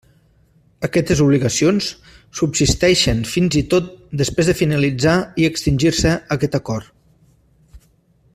Aquestes obligacions subsisteixen fins i tot després de finalitzar i extingir-se aquest acord.